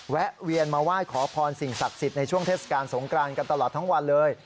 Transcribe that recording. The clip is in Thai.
แวะเวียนมาไหว้ขอพรสิ่งศักดิ์สิทธิ์ในช่วงเทศกาลสงกรานกันตลอดทั้งวันเลย